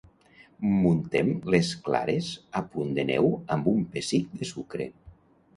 Muntem les clares a punt de neu amb un pessic de sucre.